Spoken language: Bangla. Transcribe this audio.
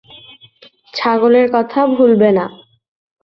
ছাগলের কথা ভুলবে না।